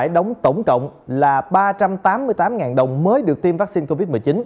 đóng tổng cộng là ba trăm tám mươi tám đồng mới được tiêm vaccine covid một mươi chín